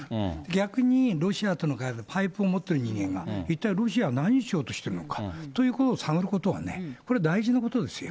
逆にロシアとのパイプを持ってる人間が、一体ロシアは何をしようとしているのかということを探ることはね、これ大事なことですよ。